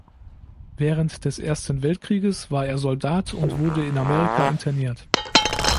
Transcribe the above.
Während des Ersten Weltkrieges war er Soldat und wurde in Amerika interniert.